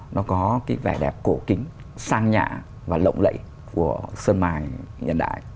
nó có cái vẻ đẹp cổ kính sang nhạ và lộng lẫy của sơn mài nhân đại